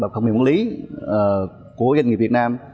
phần mềm quản lý của doanh nghiệp việt nam